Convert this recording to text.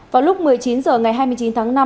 vào lúc một mươi chín h ngày hai mươi chín tháng năm